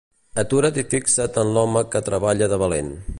Atura't i fixa't en l'home que treballa de valent.